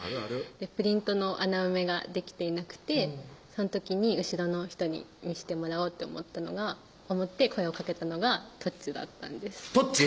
プリントの穴埋めができていなくてその時に後ろの人に見してもらおうって思ったのが思って声をかけたのがとっちだったんですとっち？